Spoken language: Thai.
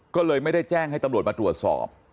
ก็เลยไม่ได้แจ้งให้ตำรวจมาตรวจสอบ